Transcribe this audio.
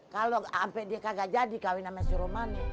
kalo sampe dia gak jadi kawin sama si romani